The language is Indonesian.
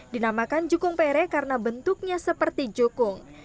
dinamakan jukung pere karena bentuknya seperti jukung